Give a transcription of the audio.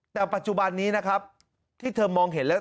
แต่ปัจจุบันนี้นะครับที่เธอมองเห็นแล้ว